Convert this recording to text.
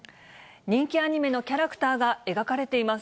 人気アニメのキャラクターが描かれています。